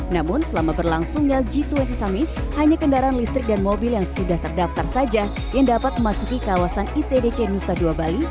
namun selama berlangsungnya g dua puluh summit hanya kendaraan listrik dan mobil yang sudah terdaftar saja yang dapat memasuki kawasan itdc nusa dua bali